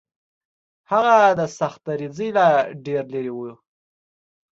هغه د سختدریځۍ لا ډېر لرې و.